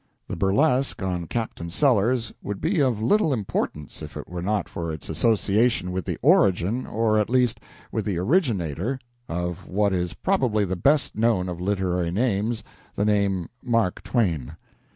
The burlesque on Captain Sellers would be of little importance if it were not for its association with the origin, or, at least, with the originator, of what is probably the best known of literary names the name Mark Twain.